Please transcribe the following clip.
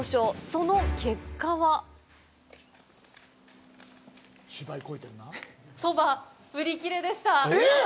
その結果はそば、売り切れでした。